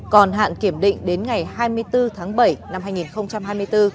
còn hạn kiểm định đến ngày hai mươi bốn tháng bảy năm hai nghìn hai mươi bốn